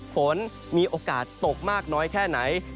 ฝนมีโอกาสตกมากน้อยแค่ไหน